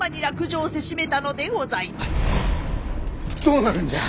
どうなるんじゃ？